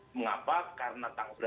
mengapa karena tangsel